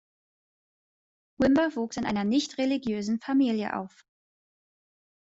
Wimber wuchs in einer nichtreligiösen Familie auf.